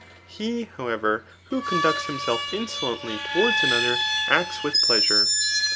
He, however, who conducts himself insolently towards another, acts with pleasure.